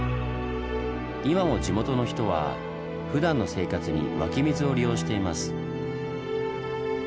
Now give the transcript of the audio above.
今も地元の人はふだんの生活に湧き水を利用しています。